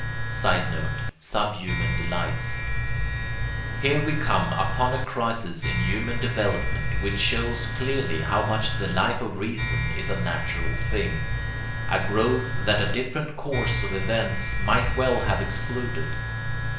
[Sidenote: Subhuman delights.] Here we come upon a crisis in human development which shows clearly how much the Life of Reason is a natural thing, a growth that a different course of events might well have excluded.